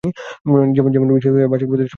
যেমন বিদ্যালয়ের বার্ষিক প্রতিষ্ঠাতা দিবস।